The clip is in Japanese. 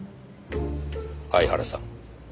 相原さん。